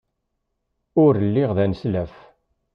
Ul lliɣ d aneslaf.